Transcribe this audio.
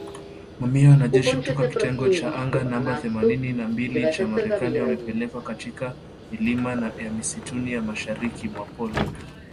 Mamia ya wanajeshi kutoka kitengo cha anga namba themanini na mbili cha Marekani wamepelekwa katika milima ya msituni ya mashariki mwa Poland